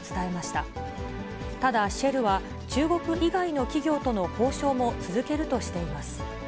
ただシェルは、中国以外の企業との交渉も続けるとしています。